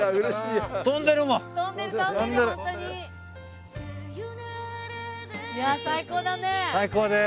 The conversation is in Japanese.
いや最高だね。